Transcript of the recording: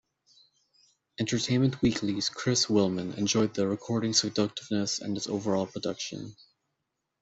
"Entertainment Weekly"s Chris Willman enjoyed the recording's seductiveness and its overall production.